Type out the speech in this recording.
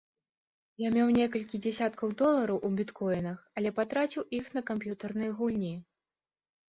Я меў некалькі дзясяткаў долараў у біткоінах, але патраціў іх на камп'ютарныя гульні.